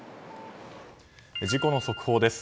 事故の速報です。